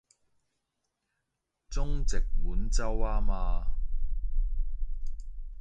中殖滿洲吖嘛